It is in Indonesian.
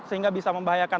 sehingga bisa membahayakan